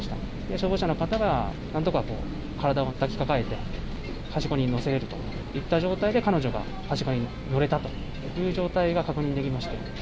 消防車の方がなんとか体を抱きかかえて、はしごに乗せられるといった状態で、彼女がはしごに乗れたという状態が確認できました。